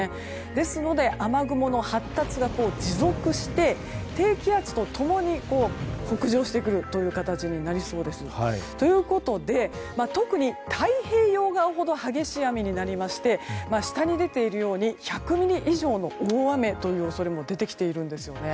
ですので、雨雲の発達が持続して低気圧と共に北上してくる形になりそうです。ということで特に太平洋側ほど激しい雨になりまして１００ミリ以上の大雨という恐れも出てきているんです。